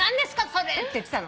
それ。って言ってたの。